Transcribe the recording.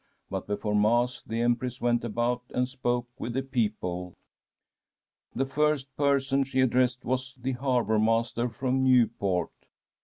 But before Mass the Empress went about and spoke with the people. *" The first person she addressed was the har bour master from Nieuport.